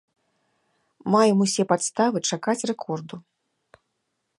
Маем усе падставы чакаць рэкорду.